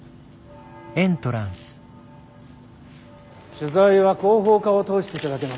取材は広報課を通して頂けますか？